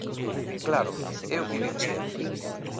Claro, é o que dicía.